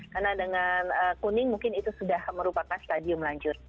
karena dengan kuning mungkin itu sudah merupakan stadium lanjut